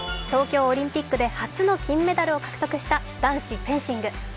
東京オリンピックで初の金メダルを獲得した男子フェンシング。